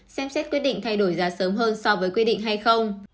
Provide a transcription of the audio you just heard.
xem xét quyết định thay đổi giá sớm hơn so với quy định hay không